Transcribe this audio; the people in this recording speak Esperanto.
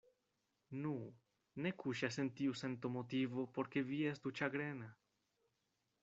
Nu, ne kuŝas en tiu sento motivo, por ke vi estu ĉagrena.